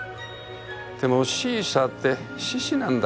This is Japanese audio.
でもシーサーって獅子なんだっけ？